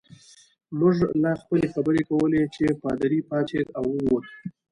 موږ لا خپلې خبرې کولې چې پادري پاڅېد او ووت.